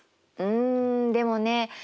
うんでもね